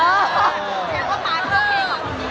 มันเป็นเรื่องน่ารักที่เวลาเจอกันเราต้องแซวอะไรอย่างเงี้ย